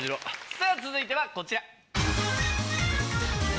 さぁ続いてはこちら。